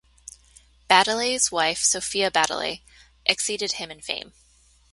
Baddeley's wife, Sophia Baddeley, exceeded him in fame.